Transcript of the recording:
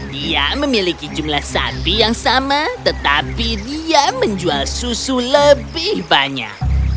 dia memiliki jumlah sapi yang sama tetapi dia menjual susu lebih banyak